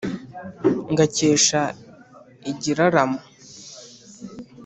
ngakesha igiraramo